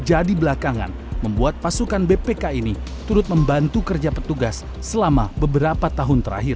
belakangan membuat pasukan bpk ini turut membantu kerja petugas selama beberapa tahun terakhir